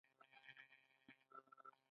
د مسافر راتګ اختر وي.